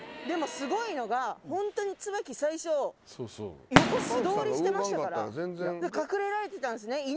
でもすごいのがホントにつばき最初横素通りしてましたから隠れられてたんですね